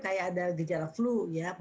kayak ada gejala flu ya